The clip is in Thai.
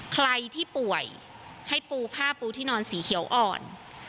ใครที่ป่วยให้ปูผ้าปูที่นอนสีเขียวอ่อน